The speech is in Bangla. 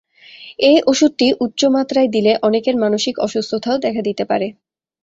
এ ওষুধটি উচ্চমাত্রায় দিলে অনেকের মানসিক অসুস্থতাও দেখা দিতে পারে।